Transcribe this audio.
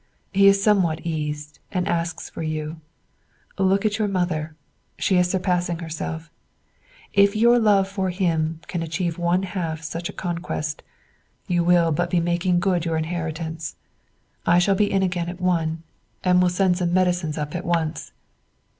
He is somewhat eased, and asks for you. Look at your mother: she is surpassing herself; if your love for him can achieve one half such a conquest, you will but be making good your inheritance. I shall be in again at one, and will send some medicines up at once."